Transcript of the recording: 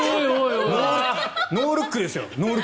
ノールックですよ。